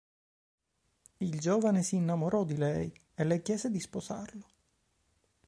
Il giovane si innamorò di lei e le chiese di sposarlo.